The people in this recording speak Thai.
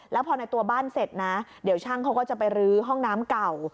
แล้วพอในตัวบ้านเสร็จนะเดี๋ยวช่างเขาก็จะไปรื้อห้องน้ำเก่า